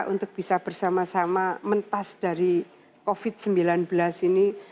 untuk bisa bersama sama mentas dari covid sembilan belas ini